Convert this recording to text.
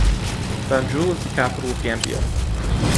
Banjul is the capital of Gambia.